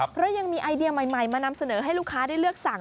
เพราะยังมีไอเดียใหม่มานำเสนอให้ลูกค้าได้เลือกสั่ง